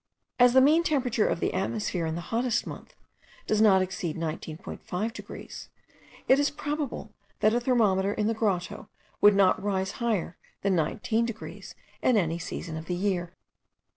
As the mean temperature of the atmosphere, in the hottest month, does not exceed 19.5 degrees,* it is probable that a thermometer in the grotto would not rise higher than 19 degrees at any season of the year.